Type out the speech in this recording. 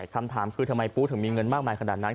คำถามคือทำไมปูถึงมีเงินมากมายขนาดนั้น